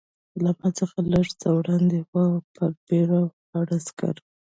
له ما څخه لږ څه وړاندې وه، پر پیره ولاړ عسکر.